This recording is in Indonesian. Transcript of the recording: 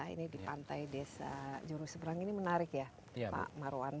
ini di pantai desa juru seberang ini menarik ya pak marwan